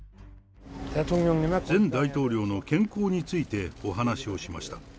前大統領の健康についてお話をしました。